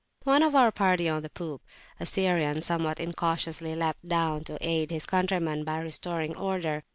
One of our party on the poop, a Syrian, somewhat incautiously leapt down to aid his countrymen by restoring order.